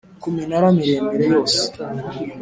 ku minara miremire yose